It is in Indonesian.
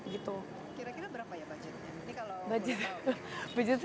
kira kira berapa ya budgetnya